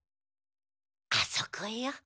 あそこよ。